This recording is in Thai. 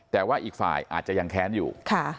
แต่ว่าอีกฝ่ายอาจจะยังแค้นอยู่